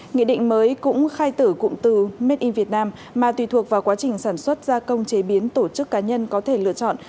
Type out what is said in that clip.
nghị định mới cũng khai tử cụm từ made in vietnam mà tùy thuộc vào quá trình sản xuất gia công chế biến tổ chức cá nhân có thể lựa chọn